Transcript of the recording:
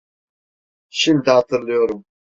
Şimdi hatırlıyorum…